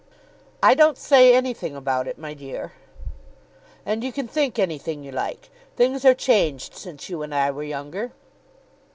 "I don't say anything about it, my dear." "And you can think anything you like. Things are changed since you and I were younger."